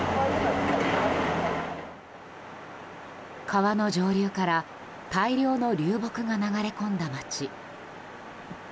川の上流から大量の流木が流れ込んだ町。